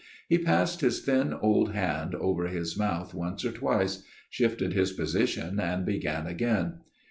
He passed his thin old hand over his mouth once or twice, shifted his position and began again.